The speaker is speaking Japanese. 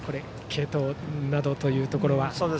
継投などというところは。